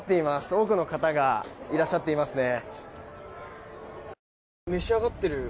多くの方がいらっしゃっていますね。